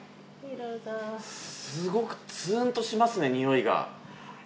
すごくつーんとしますね、においが。